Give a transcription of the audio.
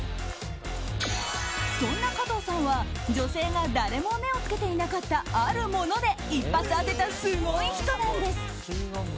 そんな加藤さんは女性が誰も目をつけていなかったあるもので一発当てた、すごい人なんです。